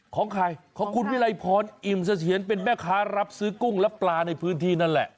ของใครของคุณวิรัยพรอิ่มเสถียรเป็นแม่ค้ารับซื้อกุ้งและปลาในพื้นที่นั่นแหละ